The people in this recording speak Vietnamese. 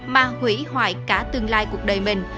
mà hủy hoại cả tương lai cuộc đời mình